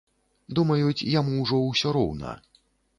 Думаюць, яму ўжо ўсё роўна.